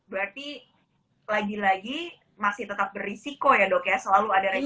berarti lagi lagi masih tetap berisiko ya dok ya selalu ada resiko